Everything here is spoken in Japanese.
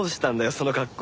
その格好。